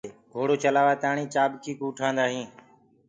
گھوڙو چلآوآ تآڻي چآڀڪي ڪو اُٺآندآ هينٚ